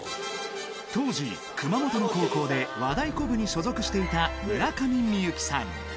当時、熊本の高校で和太鼓部に所属していた村上深雪さん。